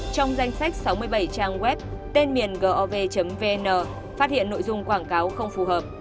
trong danh sách sáu mươi bảy trang web tên miền gov vn phát hiện nội dung quảng cáo không phù hợp